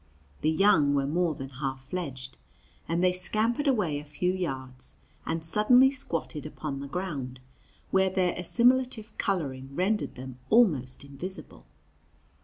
The young were more than half fledged, and they scampered away a few yards and suddenly squatted upon the ground, where their assimilative coloring rendered them almost invisible.